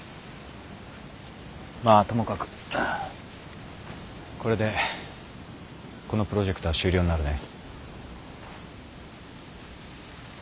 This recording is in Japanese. まあともかくこれでこのプロジェクトは終了になるね。